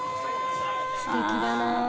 すてきだな。